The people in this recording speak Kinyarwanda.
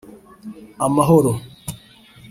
amahoro